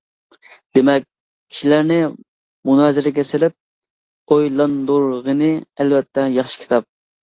دېمەك، كىشىلەرنى مۇنازىرىگە سېلىپ، ئويلاندۇرغىنى ئەلۋەتتە ياخشى كىتاب.